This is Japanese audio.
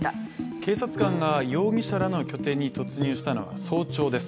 警察官が容疑者らの拠点に突入したのは早朝です。